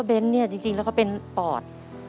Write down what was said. เน้นเนี่ยจริงแล้วก็เป็นปอด